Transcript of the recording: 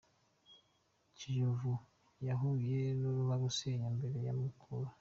Kiyovu yahuye n’uruva gusenya imbere ya Mukura